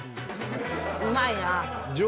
うまいな。